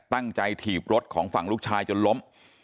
ตั้งใจถีบรถของฝั่งลูกชายจนล้ม